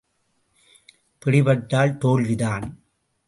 பிடிப்பட்டால் தோல்வி தான்.